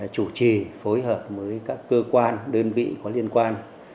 chủ trì phối hợp với các cơ quan đơn vị có liên quan